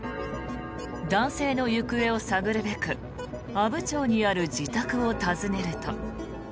男性の行方を探るべく阿武町にある自宅を訪ねると。